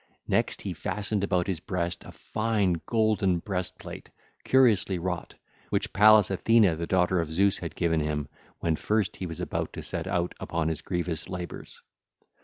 Next he fastened about his breast a fine golden breast plate, curiously wrought, which Pallas Athene the daughter of Zeus had given him when first he was about to set out upon his grievous labours.